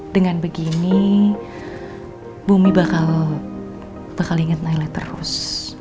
dengan begini bumi bakal inget naila terus